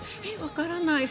わからない。